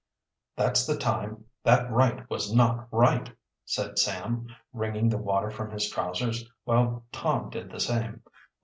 "That's the time that right was not right," said Sam, wringing the water from his trousers, while Tom did the same.